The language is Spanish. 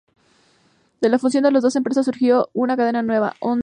De la fusión de las dos empresas surgió una cadena nueva: Onda Cero.